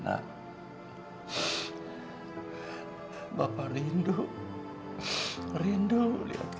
ampun ya allah